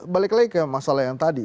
balik lagi ke masalah yang tadi